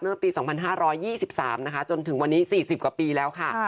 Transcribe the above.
เมื่อปี๒๕๒๓นะคะจนถึงวันนี้๔๐กว่าปีแล้วค่ะ